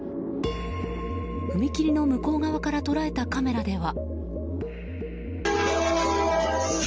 踏切の向こう側から捉えたカメラでは。